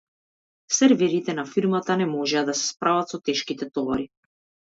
Серверите на фирмата не можеа да се справат со тешките товари.